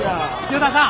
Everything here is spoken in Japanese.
依田さん！